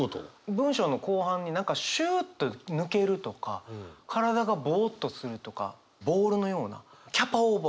文章の後半に何か「シューッと抜ける」とか「身体がぼうっとする」とかボールのようなキャパオーバー